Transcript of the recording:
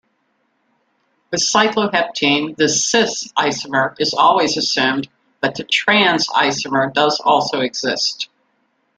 With cycloheptene, the "cis"-isomer is always assumed but the "trans"-isomer does also exist.